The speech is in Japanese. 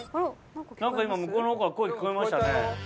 何か今向こうの方から声聞こえましたね。